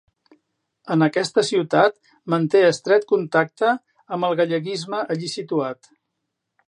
En aquesta ciutat manté estret contacte amb el galleguisme allí situat.